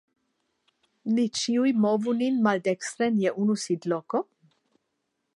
Ni ĉiuj movu nin maldekstren je unu sidloko?